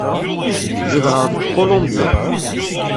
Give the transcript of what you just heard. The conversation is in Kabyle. Zedɣeɣ deg Kulumbya.